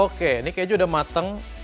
oke ini keju udah mateng